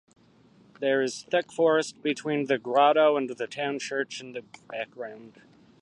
There is thick forest between the grotto and the town church in the background.